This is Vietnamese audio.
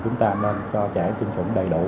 chúng ta nên cho trẻ tin chủng đầy đủ